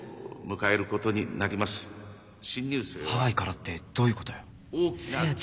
ハワイからってどういうことよ？